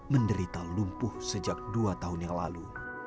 menderita lumpuh sejak dua tahun yang lalu